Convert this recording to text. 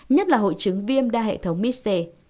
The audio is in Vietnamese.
nhất là hội chứng viêm đa hệ thống mis c